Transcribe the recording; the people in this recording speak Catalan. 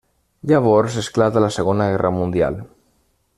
Llavors esclata la Segona Guerra Mundial.